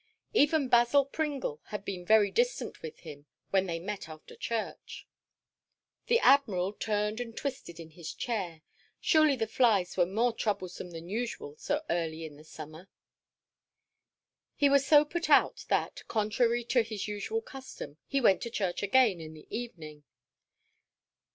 Even Basil Pringle had been very distant with him when they met after church. The Admiral turned and twisted in his chair. Surely the flies were more troublesome than usual so early in the summer. He was so put about that, contrary to his usual custom, he went to church again in the evening.